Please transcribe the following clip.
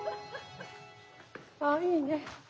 ああいいね。